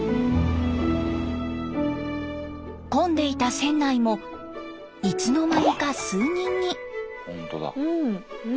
混んでいた船内もいつの間にか数人に。